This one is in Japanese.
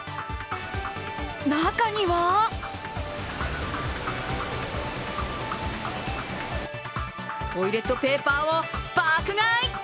中にはトイレットペーパーを爆買い。